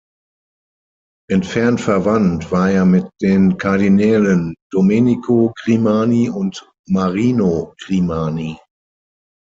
Entfernt verwandt war er mit den Kardinälen Domenico Grimani und Marino Grimani.